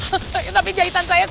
saya mau ambil jahitan saya